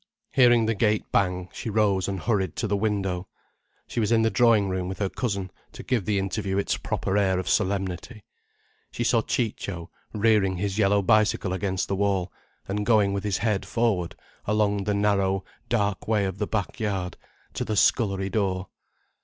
Hearing the gate bang, she rose and hurried to the window. She was in the drawing room with her cousin, to give the interview its proper air of solemnity. She saw Ciccio rearing his yellow bicycle against the wall, and going with his head forward along the narrow, dark way of the back yard, to the scullery door.